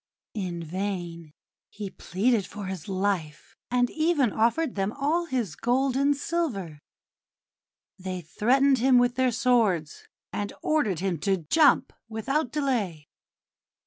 In vain he pleaded for his life, and even offered them all his gold and silver; they threatened him with their swords, and ordered him to jump without delay.